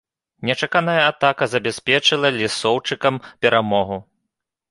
Нечаканая атака забяспечыла лісоўчыкам перамогу.